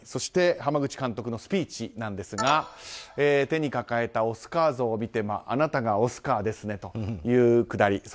濱口監督のスピーチですが手に抱えたオスカー像を見てあなたがオスカーですねというくだり。